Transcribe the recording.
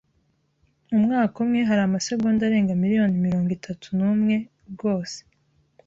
Mu mwaka umwe hari amasegonda arenga miliyoni mirongo itatu n'umwe rwose